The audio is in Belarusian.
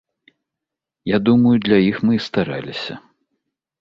Я думаю, для іх мы і стараліся.